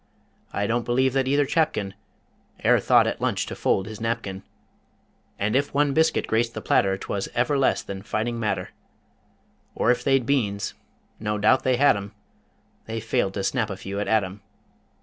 I don't believe that either chapkin E'er thought at lunch to fold his napkin, And if one biscuit graced the platter 'Twas ever less than fighting matter, Or if they'd beans no doubt they had 'em They failed to snap a few at Adam.